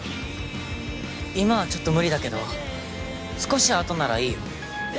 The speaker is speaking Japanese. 今はちょっと無理だけど少しあとならいいよ！